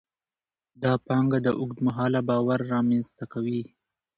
دا پانګه د اوږد مهاله باور رامینځته کوي.